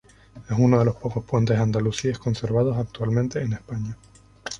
Es uno de los pocos puentes andalusíes conservados actualmente en España.